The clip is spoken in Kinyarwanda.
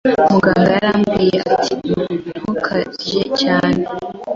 Muganga yarambwiye ati: "Ntukarye cyane."